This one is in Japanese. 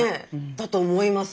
だと思います。